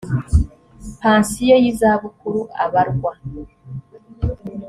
pansiyo y’izabukuru abarwa